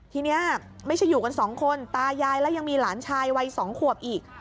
ทีนี้ไม่ใช่อยู่กันสองคนตายายแล้วยังมีหลานชายวัย๒ขวบอีก